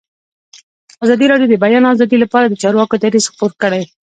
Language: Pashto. ازادي راډیو د د بیان آزادي لپاره د چارواکو دریځ خپور کړی.